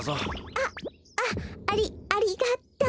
あっあっありありがとう。